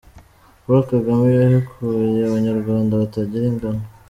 Paul Kagame yahekuye abanyarwanda batagira ingano.